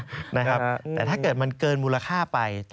แต่ถ้าเกิดมันเกินมูลค่าไป